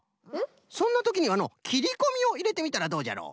そんなときにはのうきりこみをいれてみたらどうじゃろう？